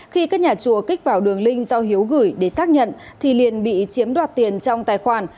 khi các nhà chùa kích vào đường link do hiếu gửi để xác nhận thì liền bị chiếm đoạt tiền trong tài khoản